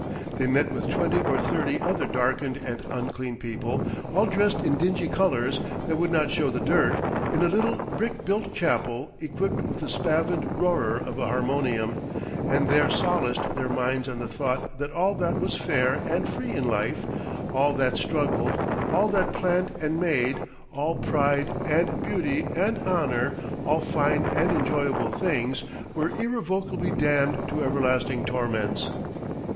They met with twenty or thirty other darkened and unclean people, all dressed in dingy colours that would not show the dirt, in a little brick built chapel equipped with a spavined roarer of a harmonium, and there solaced their minds on the thought that all that was fair and free in life, all that struggled, all that planned and made, all pride and beauty and honour, all fine and enjoyable things, were irrevocably damned to everlasting torments.